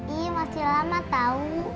ih masih lama tahu